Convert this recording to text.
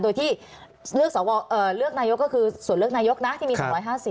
โดยที่เลือกนายกก็คือส่วนเลือกนายกนะที่มี๒๕๐